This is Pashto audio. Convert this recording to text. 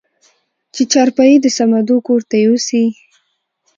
چې چارپايي د صمدو کورته يوسې؟